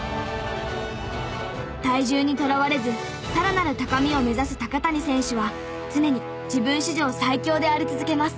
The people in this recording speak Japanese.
体重にとらわれずさらなる高みを目指す高谷選手は常に自分史上最強であり続けます。